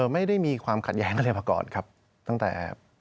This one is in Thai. ไม่ได้มีความขัดแย้งอะไรมาก่อนครับตั้งแต่